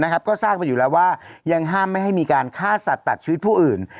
ก็ทราบมาอยู่แล้วว่ายังห้ามไม่ให้มีการฆ่าสัตว์ตัดชีวิตผู้อื่น